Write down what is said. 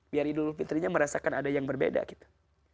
biar idul fitrinya merasakan ada yang berbeda gitu